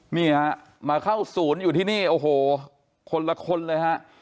นี่ฮะมาเข้าศูนย์อยู่ที่นี่โอ้โหคนละคนเลยฮะ